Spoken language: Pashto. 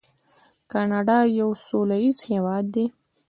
کاناډا یو سوله ییز هیواد دی.